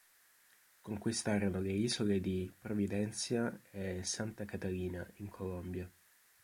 Conquistarono le isole di "Providencia" e "Santa Catalina, in Colombia".